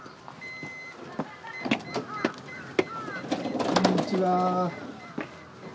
こんにちは。